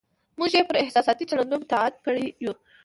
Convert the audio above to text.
موږ یې پر احساساتي چلندونو معتاد کړي یو.